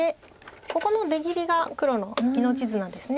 ここの出切りが黒の命綱です。